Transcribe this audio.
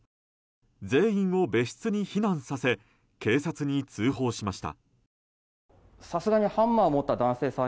全員を別室に避難させ警察に通報しました。